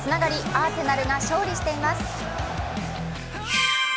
アーセナルが勝利しています。